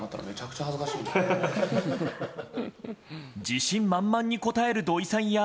自信満々に答える土井さんや。